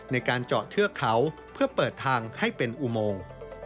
ในการเจาะเทือกเขาเพื่อเปิดทางให้เป็นอุโมง